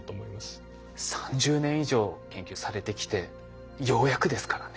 ３０年以上研究されてきてようやくですからね。